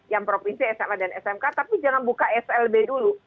yang provinsi sma dan smk tapi jangan buka slb dulu